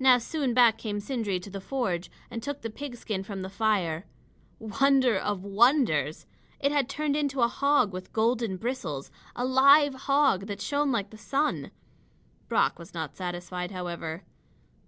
Now soon back came Sindri to the forge and took the pigskin from the fire. Wonder of wonders! It had turned into a hog with golden bristles; a live hog that shone like the sun. Brock was not satisfied, however.